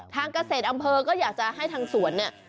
ทางเกษตรอำเพอก็อยากจะให้ทางสวน